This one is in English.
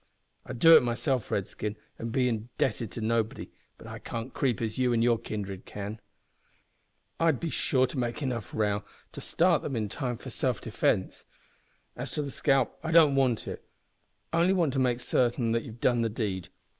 I would do it myself, redskin, and be indebted to nobody, but I can't creep as you and your kindred can." "I'd be sure to make row enough to start them in time for self defence. As to the scalp, I don't want it only want to make certain that you've done the deed.